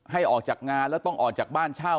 ให้ออกจากงานแล้วต้องออกจากบ้านเช่า